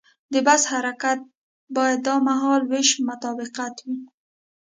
د بس حرکت باید د مهال ویش مطابق وي.